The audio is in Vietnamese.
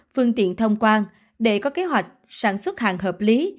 phương tiện thông quan để có kế hoạch sản xuất hàng hợp lý